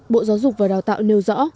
bộ giáo dục và đào tạo nêu rõ